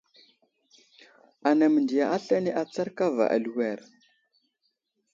Anaŋ məndiya aslane atsar kava aliwer.